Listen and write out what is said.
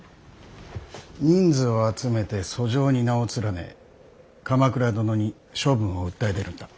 人数を集めて訴状に名を連ね鎌倉殿に処分を訴え出るんだ。